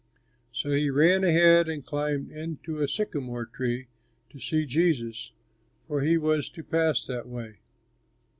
So he ran ahead and climbed into a sycamore tree to see Jesus, for he was to pass that way.